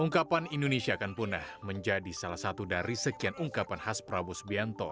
ungkapan indonesia akan punah menjadi salah satu dari sekian ungkapan khas prabowo subianto